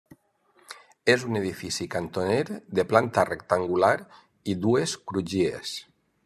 És un edifici cantoner de planta rectangular i dues crugies.